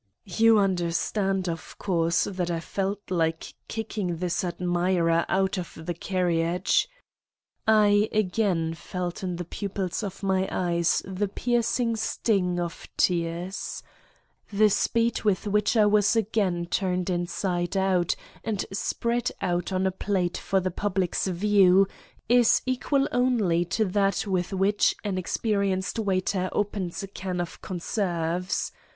"You understand, of course, that I felt like kicking this admirer out of the carriage ! I again felt in the pupils of my eyes the piercing sting of hers. The speed with which I was again turned in side out and spread out on a plate for the public's view is equal only to that with which an experi enced waiter opens a can of conserves.